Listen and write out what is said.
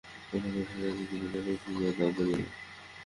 মনে করছ জানি, কিন্তু জান কি না তাও জান না।